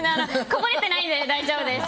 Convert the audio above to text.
こぼれてないんで大丈夫です。